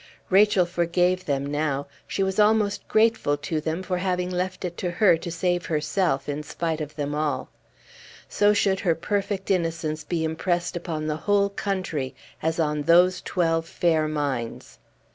Rachel forgave them now; she was almost grateful to them for having left it to her to save herself in spite of them all: so should her perfect innocence be impressed upon the whole country as on those twelve fair minds.